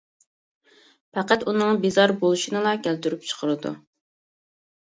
پەقەت ئۇنىڭ بىزار بولۇشىنىلا كەلتۈرۈپ چىقىرىدۇ.